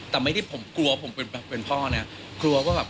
แต่ไม่ได้ผมกลัวผมเป็นพ่อนะครับ